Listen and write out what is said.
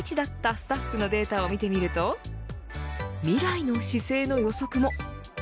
スタッフのデータを見てみると未来の姿勢の予測も。